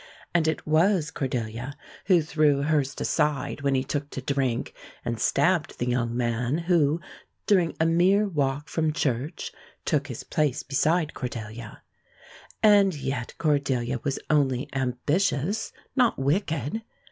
And it was Cordelia who threw Hurst aside when he took to drink and stabbed the young man who, during a mere walk from church, took his place beside Cordelia. And yet Cordelia was only ambitious, not wicked.